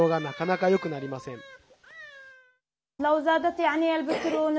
なかなかよくなりません。